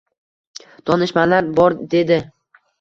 Donishmandlar bor edi.